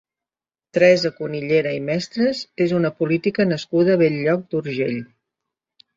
Teresa Cunillera i Mestres és una política nascuda a Bell-lloc d'Urgell.